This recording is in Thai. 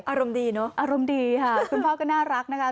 อารมณ์ดีเนอะค่ะคุณพ่อก็น่ารักนะคะ